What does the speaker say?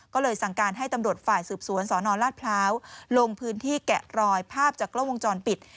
ก็เลยสั่งการให้ตำรวจฝ่ายสืบสวนสนราชพร้าวลงพื้นที่แกะรอยภาพจากกล้องวงจรปิด